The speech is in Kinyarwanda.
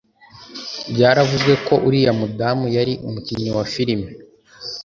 Byaravuzwe ko uriya mudamu yari umukinnyi wa filime